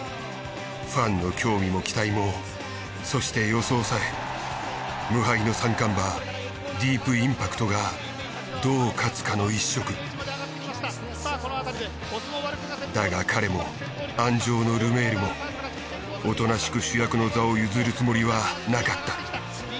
ファンの興味も期待もそして予想さえ無敗の三冠馬ディープインパクトがどう勝つかの一色。だが彼も鞍上のルメールもおとなしく主役の座を譲るつもりはなかった。